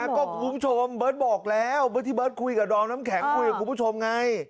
ก็คุณผู้ชมเบิร์ตบอกแล้วเบิร์ตที่เบิร์ตคุยกับดอมน้ำแข็งคุยกับคุณผู้ชมไง